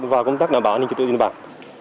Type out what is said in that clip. và công tác đảm bảo an ninh trật tự trên địa bàn